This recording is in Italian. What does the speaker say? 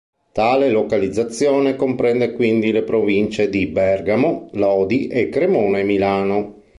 Tale localizzazione comprende quindi le provincie di Bergamo, Lodi e Cremona e Milano.